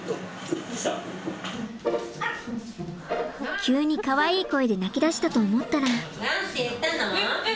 急にかわいい声で鳴きだしたと思ったら。